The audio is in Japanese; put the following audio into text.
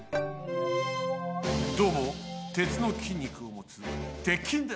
どうも鉄の筋肉をもつ鉄筋です。